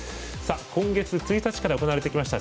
今月１日から行われてきました